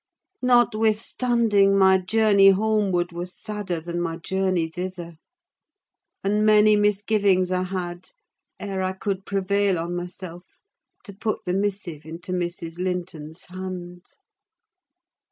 Notwithstanding, my journey homeward was sadder than my journey thither; and many misgivings I had, ere I could prevail on myself to put the missive into Mrs. Linton's hand.